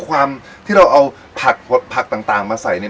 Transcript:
ความที่เราเอาผักผักต่างมาใส่เนี่ย